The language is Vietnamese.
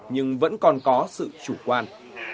nhưng vẫn còn có sự chủ quan